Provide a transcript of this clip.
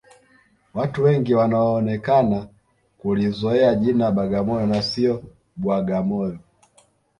Watu wengi wanaonekana kulizoea jina bagamoyo na sio bwagamoyo